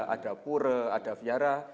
ada pura ada fiara